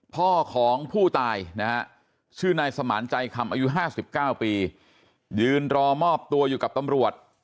พ่อของผู้ตายนะฮะชื่อนายสมานใจคำอายุ๕๙ปียืนรอมอบตัวอยู่กับตำรวจ